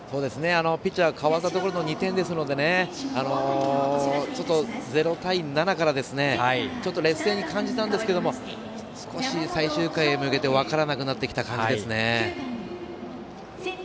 ピッチャーかわったところの２点ですので０対７からちょっと劣勢に感じたんですが少し最終回に向けて分からなくなってきた感じですね。